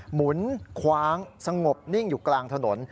หมุนคว้างสงบนิ่งอยู่กลางถนน